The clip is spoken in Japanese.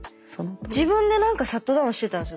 自分で何かシャットダウンしてたんですよ